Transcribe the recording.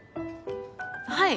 はい。